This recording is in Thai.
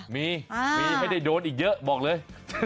มีมีไม่ได้โดนอีกเยอะบอกเลย